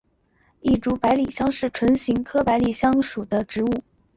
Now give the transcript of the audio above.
异株百里香是唇形科百里香属的植物。